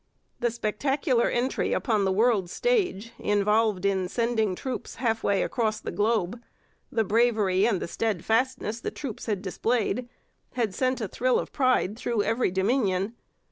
The spectacular entry upon the world's stage involved in sending troops half way across the globe, the bravery and the steadfastness the troops had displayed, had sent a thrill of pride through every Dominion.